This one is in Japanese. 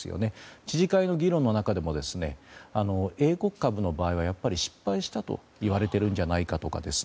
知事会の議論の中でも英国株の場合は失敗したといわれているんじゃないかとか